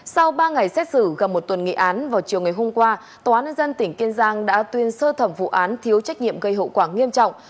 sau ba ngày xét xử gần một tuần nghị án vào chiều ngày hôm qua tòa án nhân dân tỉnh kiên giang đã tuyên sơ thẩm vụ án thiếu trách nhiệm gây hậu quả nghiêm trọng